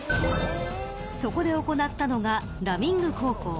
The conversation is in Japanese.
そこで行ったのがラミング航行。